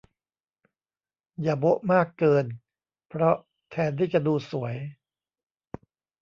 อย่าโบ๊ะมากเกิน เพราะแทนที่จะดูสวย